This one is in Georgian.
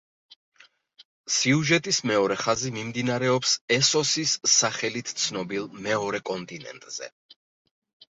სიუჟეტის მეორე ხაზი მიმდინარეობს ესოსის სახელით ცნობილ მეორე კონტინენტზე.